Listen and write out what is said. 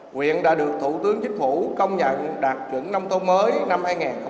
huyện đã được thủ tướng chính phủ công nhận đạt chuẩn nông thôn mới năm hai nghìn hai mươi